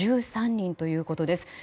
１３人ということです。